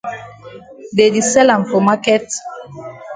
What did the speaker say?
Dey di sell am for maket.